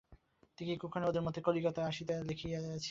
কী কুক্ষণেই ওদের মতি কলিকাতা আসিতে লিখিয়াছিল!